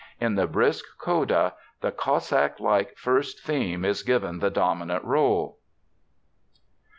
In the brisk Coda the Cossack like first theme is given the dominant role.